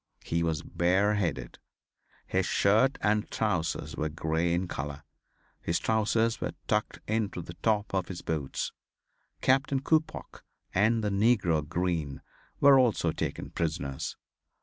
He was bare headed. His shirt and trousers were grey in color. His trousers were tucked into the top of his boots. Captain Coppoc and the negro Green were also taken prisoners.